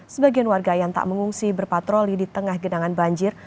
sebagian warga yang tak mengungsi berpatroli di tengah genangan banjir